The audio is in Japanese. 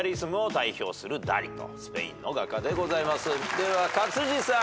では勝地さん。